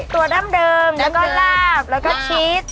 ดั้งเดิมแล้วก็ลาบแล้วก็ชีส